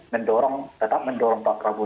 mendorong tetap mendorong pak prabowo